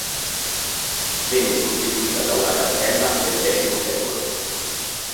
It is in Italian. Venne sostituita da una cappella nel X secolo.